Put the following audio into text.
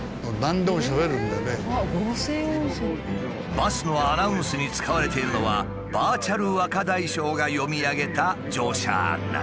バスのアナウンスに使われているのはバーチャル若大将が読み上げた乗車案内。